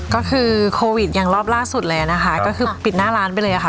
ก็คือโควิดอย่างรอบล่าสุดเลยนะคะก็คือปิดหน้าร้านไปเลยค่ะ